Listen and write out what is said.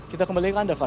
kita kembalikan ke anda